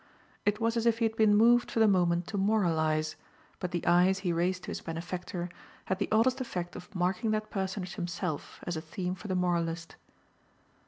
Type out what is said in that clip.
It was as if he had been moved for the moment to moralise, but the eyes he raised to his benefactor had the oddest effect of marking that personage himself as a theme for the moralist.